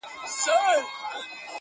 په غمونو پسي تل د ښادۍ زور وي؛